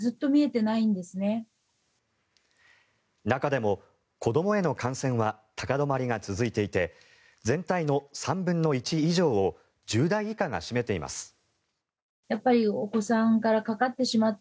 中でも子どもへの感染は高止まりが続いていて全体の３分の１以上を１０代以下が占めています。